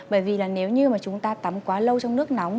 bởi vì nếu như chúng ta tắm quá lâu trong nước nóng